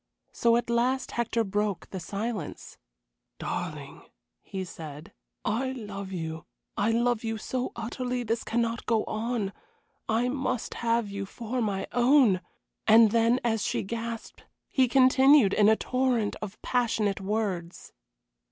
So at last Hector broke the silence. "Darling," he said, "I love you I love you so utterly this cannot go on. I must have you for my own " and then, as she gasped, he continued in a torrent of passionate words.